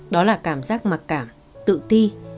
đó là cảm giác mặc cảm tự ti